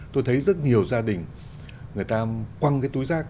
tôi thấy rất nhiều gia đình người ta quăng cái túi rác